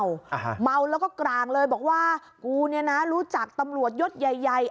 อ่าฮะเมาแล้วก็กลางเลยบอกว่ากูเนี้ยนะรู้จักตำรวจยศใหญ่ใหญ่